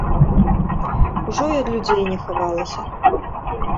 Ужо і ад людзей не хавалася.